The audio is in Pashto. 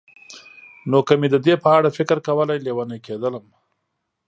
نو که مې د دې په اړه فکر کولای، لېونی کېدم.